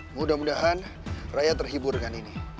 mudah mudahan rakyat terhibur dengan ini